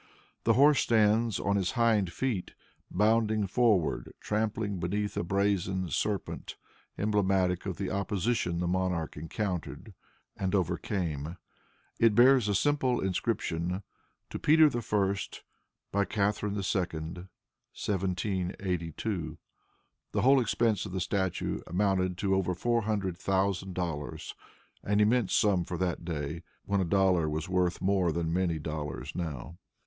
The horse stands on his hind feet bounding forward, trampling beneath a brazen serpent, emblematic of the opposition the monarch encountered and overcame. It bears the simple inscription, "To Peter the First, by Catharine the Second, 1782." The whole expense of the statue amounted to over four hundred thousand dollars, an immense sum for that day, when a dollar was worth more than many dollars now.